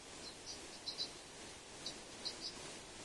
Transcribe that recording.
中路的主要建筑分前后两组。